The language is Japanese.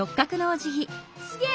すげえ